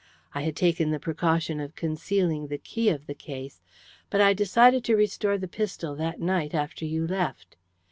I had taken the precaution of concealing the key of the case, but I decided to restore the pistol that night after you left.